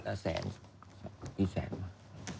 แววไม่แววไม่รู้แต่แท้